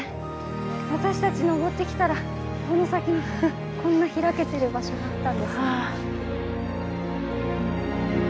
私たち登ってきたらその先にこんな開けてる場所があったんですね。